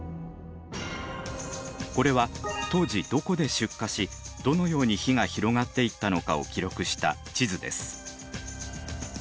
これは当時どこで出火しどのように火が広がっていったのかを記録した地図です。